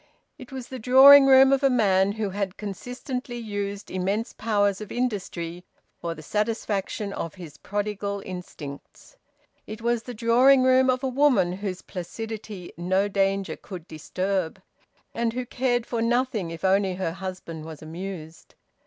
It was the drawing room of a man who had consistently used immense powers of industry for the satisfaction of his prodigal instincts; it was the drawing room of a woman whose placidity no danger could disturb, and who cared for nothing if only her husband was amused.